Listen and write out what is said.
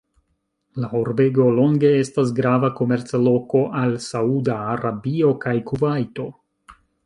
La urbego longe estas grava komerca loko al Sauda Arabio kaj Kuvajto.